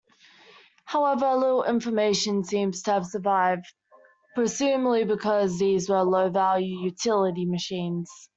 However little information seems to have survived, presumably because these were low-value utility machines.